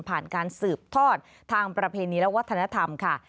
การสืบทอดทางประเพณีและวัฒนธรรมค่ะ